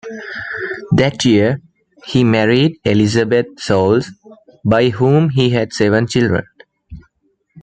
That year, he married Elizabeth Soules, by whom he had seven children.